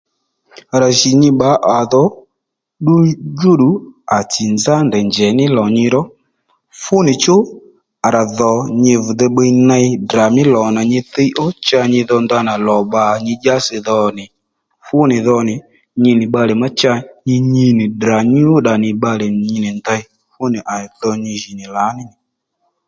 À rà jì nyi bbǎ à dho ddudjú ddù à tsì nzá ndèy njèy ní lò nyiró fú nì chú à rà dho nyi vì dhe bbiy ney Ddrà mí lò na nyi thíy ó cha nyi dho ndanà lò bbǎ nyi dyási dhò nì fú nì dho nì nyi nì bbalè ma cha nyi nyi nì Ddra nyú dda nì bbalè nì ndey fú nì à dho nyi jì nì lǎní